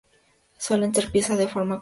Suelen ser piezas de forma cuadrada.